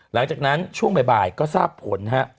หลังจากนั้นช่วงบ่ายก็ทราบผลฮะ